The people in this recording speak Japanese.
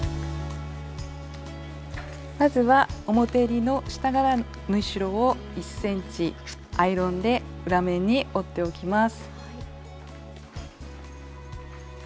まずは表えりの下側の縫い代を１ｃｍアイロンで裏面に折っておきます。